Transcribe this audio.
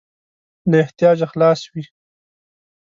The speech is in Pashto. له احتیاجه خلاص وي.